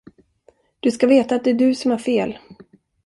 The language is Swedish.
Du ska veta att det är du som har fel.